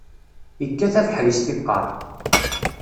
Ikkat abeḥri s tiqqaṛ.